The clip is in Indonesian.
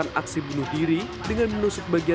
jadi dia ditanya ngasih lagi